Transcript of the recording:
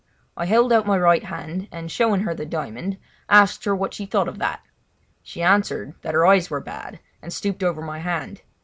I held out my right hand, and, showing her the diamond, asked her what she thought of that. She answered that her eyes were bad, and stooped over my hand.